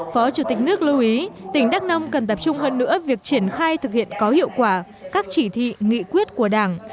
phó chủ tịch nước lưu ý tỉnh đắk nông cần tập trung hơn nữa việc triển khai thực hiện có hiệu quả các chỉ thị nghị quyết của đảng